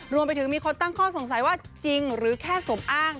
มีคนตั้งข้อสงสัยว่าจริงหรือแค่สมอ้าง